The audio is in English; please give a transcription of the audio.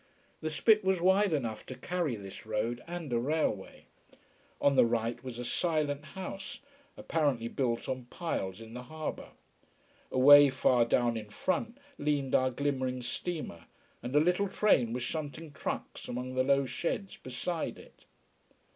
The spit was wide enough to carry this road, and the railway. On the right was a silent house apparently built on piles in the harbour. Away far down in front leaned our glimmering steamer, and a little train was shunting trucks among the low sheds beside it.